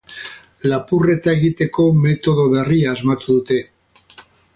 Lapurreta egiteko metodo berria asmatu dute.